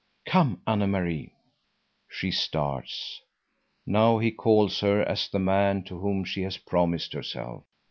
"Come, Anne Marie!" She starts. Now he calls her as the man to whom she has promised herself.